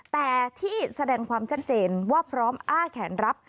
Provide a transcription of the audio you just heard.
แต่ที่แสดงความชัดเจนว่าพร้อมอ้าแขนรับ